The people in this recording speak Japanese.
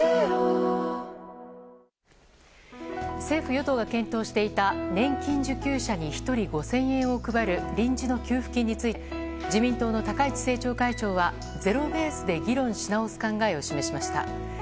政府・与党が検討していた年金受給者に１人５０００円を配る臨時の給付金について自民党の高市政調会長はゼロベースで議論し直す考えを示しました。